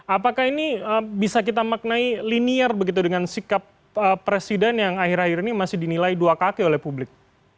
apakah ini bisa kita maknai linier begitu dengan sikap presiden yang akhir akhir ini masih dinilai dua kaki oleh publik